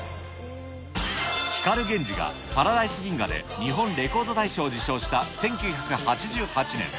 光ＧＥＮＪＩがパラダイス銀河で日本レコード大賞を受賞した１９８８年。